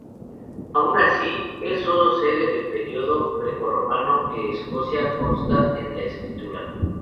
Aun así, es sólo desde el período grecorromano que Escocia consta en la escritura.